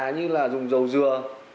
như là dùng dầu dừa